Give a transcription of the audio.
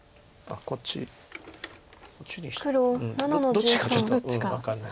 どっちかちょっと分かんない。